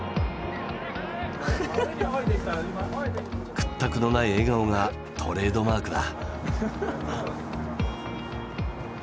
屈託のない笑顔がトレードマークだ。